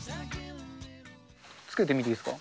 つけてみていいですか。